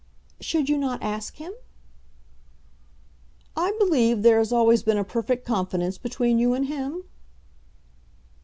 "Should you not ask him?" "I believe there has always been a perfect confidence between you and him?"